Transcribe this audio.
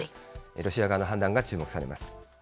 ロシア側の判断が注目されます。